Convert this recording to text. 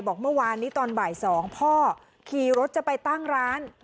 บอกเมื่อวานนี้ตอนบ่าย๒พ่อขี่รถจะไปตั้งร้าน